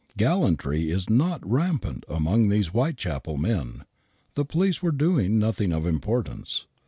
Gallantry is not rampant among these Whitechapel men. The police were doing nothing of importance.